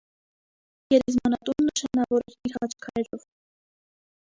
Գերեզմանատունը նշանաւոր էր իր խաչքարերով։